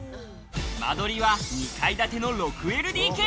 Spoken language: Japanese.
間取りは２階建ての６ＬＤＫ。